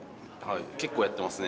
結構やってますね。